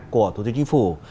của thủ tướng chính phủ